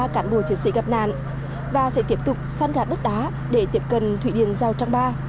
cán bộ chiến sĩ gặp nạn và sẽ tiếp tục săn gạt đất đá để tiếp cận thủy điện rào trang ba